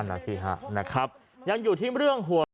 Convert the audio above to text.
นั่นแหละสิครับยังอยู่ที่เรื่องหัว